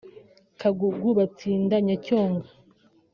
Kagugu-Batsinda-Nyacyonga